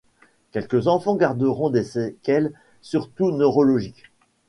Quelques enfants garderont des séquelles surtout neurologiques.